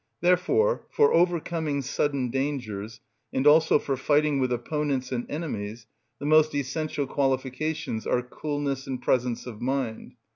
Therefore for overcoming sudden dangers, and also for fighting with opponents and enemies, the most essential qualifications are coolness and presence of mind.